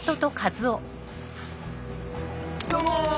どうも。